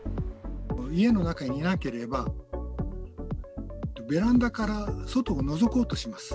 家の中にいなければ、ベランダから外をのぞこうとします。